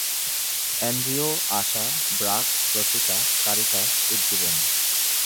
NGO ASA, BRAC, Proshika, Caritas, Ujjivan.